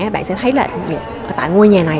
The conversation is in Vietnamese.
bạn sẽ thấy tại ngôi nhà này